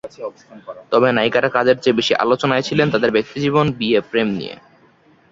তবে নায়িকারা কাজের চেয়ে বেশি আলোচনায় ছিলেন তাঁদের ব্যক্তিজীবন, বিয়ে, প্রেম নিয়ে।